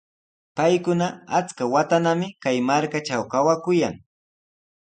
Paykuna achka watanami kay markatraw kawakuyan.